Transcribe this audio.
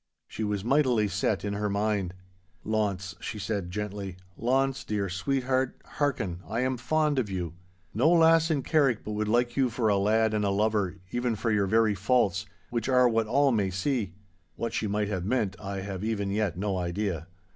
She was mightily set in her mind. 'Launce,' she said gently, 'Launce, dear sweetheart, hearken—I am fond of you. No lass in Carrick but would like you for a lad and a lover, even for your very feults, which are what all may see.' What she might have meant I have even yet no idea.